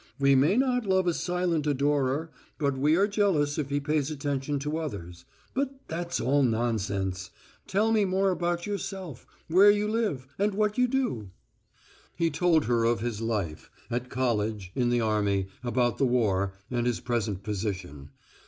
We may not love a silent adorer, but we are jealous if he pays attentions to others.... But that's all nonsense. Tell me more about yourself, where you live, and what you do." He told her of his life at college, in the army, about the war, and his present position.